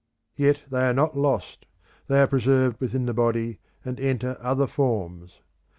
Yet they are not lost, they are preserved within the body and enter other forms.